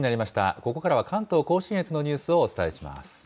ここからは関東甲信越のニュースをお伝えします。